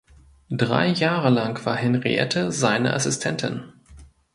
Drei Jahre lang war Henriette seine Assistentin.